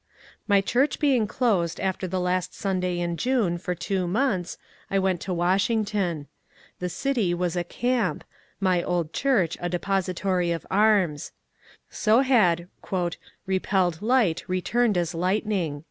My church being closed after the last Sunday in June for two months, I went to Washington. The city was a camp, my old church a depository of arms. So had ^^ repelled light returned as lightning."